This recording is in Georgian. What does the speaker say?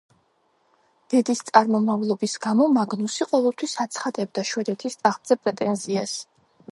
დედის წარმომავლობის გამო, მაგნუსი ყოველთვის აცხადებდა შვედეთის ტახტზე პრეტენზიას.